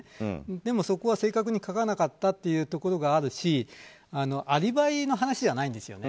でも、そこは正確に書かなかったというところがあるしアリバイの話じゃないんですよね。